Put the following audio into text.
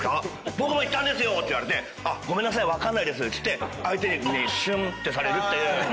僕も行ったんですよ」と言われて分かんないですっつって相手にしゅんってされるっていう。